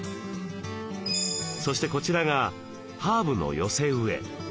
そしてこちらがハーブの寄せ植え。